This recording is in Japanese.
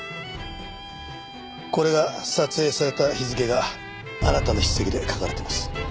これが撮影された日付があなたの筆跡で書かれています。